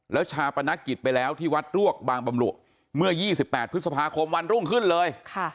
แล้วชาปนกิจไปแล้วที่วัดรวกบางบำรุเมื่อ๒๘พฤษภาคมวันรุ่งขึ้นเลย